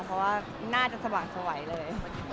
เพราะว่าน่าจะสว่างสวัยเลย